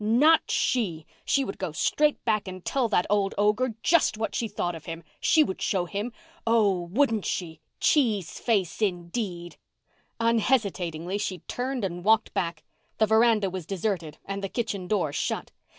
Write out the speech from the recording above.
Not she! She would go straight back and tell that old ogre just what she thought of him—she would show him—oh, wouldn't she! Cheese face, indeed! Unhesitatingly she turned and walked back. The veranda was deserted and the kitchen door shut.